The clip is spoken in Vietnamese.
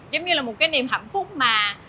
giống như là một cái niềm hạnh phúc mà